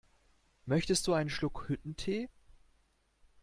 Möchtest du einen Schluck Hüttentee?